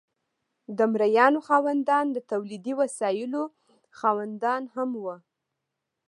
د مرئیانو خاوندان د تولیدي وسایلو خاوندان هم وو.